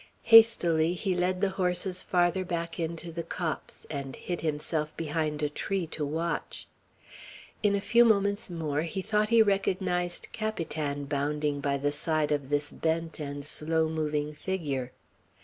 Hastily he led the horses farther back into the copse, and hid himself behind a tree, to watch. In a few moments more he thought he recognized Capitan, bounding by the side of this bent and slow moving figure.